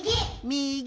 みぎ！